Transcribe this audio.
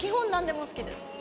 でも餅好きです。